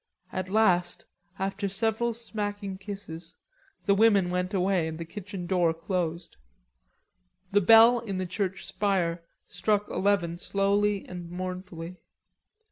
At last, after several smacking kisses, the women went away and the kitchen door closed. The bell in the church spire struck eleven slowly and mournfully.